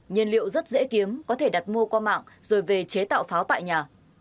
nhiên liệu rất dễ kiếm có thể đặt mua qua mạng rồi về chế tạo pháo tại nhà